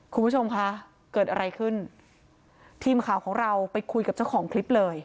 คุณผู้ชมคะเกิดอะไรขึ้นทีมข่าวของเราไปคุยกับเจ้าของคลิปเลย